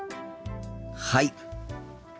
はい。